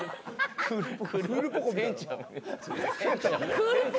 クールポコ。？